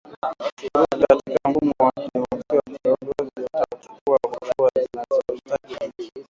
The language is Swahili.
kurudi katika mfumo wa kidemokrasia na viongozi watachukua hatua zinazostahiki